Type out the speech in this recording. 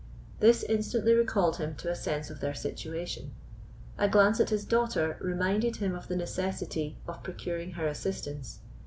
This instantly recalled him to a sense of their situation: a glance at his daughter reminded him of the necessity of procuring her assistance.